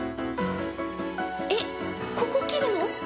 えっここ切るの？